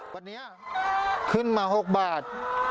วันนี้ขึ้นมา๖บาท